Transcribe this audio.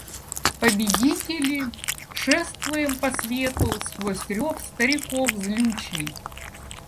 Победители, шествуем по свету сквозь рев стариков злючий.